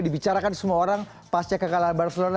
dibicarakan semua orang pas cek kekalahan barcelona